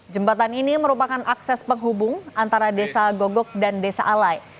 jembatan ini merupakan akses penghubung antara desa gogok dan desa alai